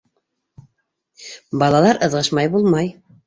Балалар ыҙғышмай булмай!